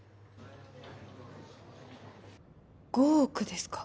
５億ですか？